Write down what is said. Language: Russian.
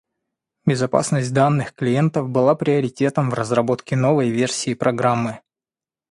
Безопасность данных клиентов была приоритетом в разработке новой версии программы.